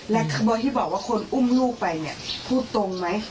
และที่บอกว่าคนอุ้มลูกไปพูดตรงไหม